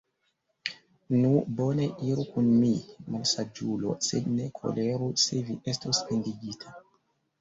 Nu, bone, iru kun mi, malsaĝulo, sed ne koleru, se vi estos pendigita!